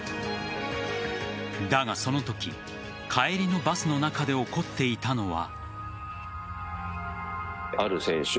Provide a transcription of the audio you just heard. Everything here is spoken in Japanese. だが、そのとき帰りのバスの中で起こっていたのは。